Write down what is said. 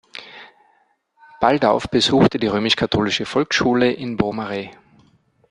Baldauf besuchte die römisch-katholische Volksschule in Beaumarais.